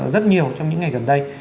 rất nhiều trong những ngày gần đây